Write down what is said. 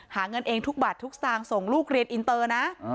หาเงินเองทุกบาททุกสตางค์ส่งลูกเรียนอินเตอร์นะ